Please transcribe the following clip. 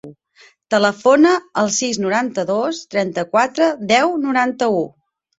Telefona al sis, noranta-dos, trenta-quatre, deu, noranta-u.